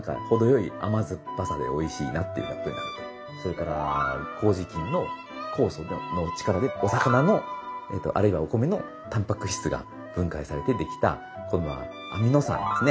両方合わせるとそれからこうじ菌の酵素の力でお魚のあるいはお米のタンパク質が分解されてできた今度はアミノ酸ですね。